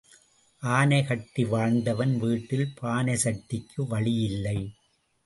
ஆனை கட்டி வாழ்ந்தவன் வீட்டில் பானை சட்டிக்கு வழி இல்லை.